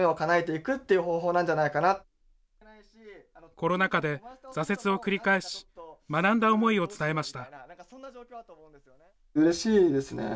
コロナ禍で挫折を繰り返し学んだ思いを伝えました。